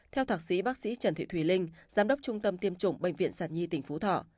theo thạc sĩ bác sĩ trần thị thùy linh giám đốc trung tâm tiêm chủng bệnh viện sản nhi tỉnh phú thọ